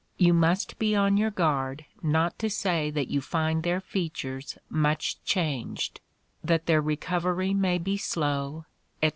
You must be on your guard not to say that you find their features much changed, that their recovery may be slow, &c.